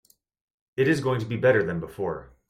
It is going to be better than before.